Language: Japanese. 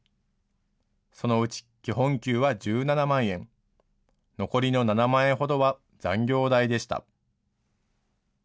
そのうち基本給は１７万円、残りの７万円ほどは残業代でした。